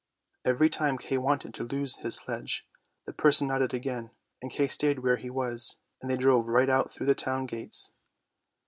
Every time Kay wanted to loose his sledge, the person nodded again, and Kay stayed where he was, and they drove right out through the town gates.